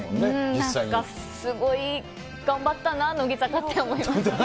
なんかすごい頑張ったな、乃木坂って思います。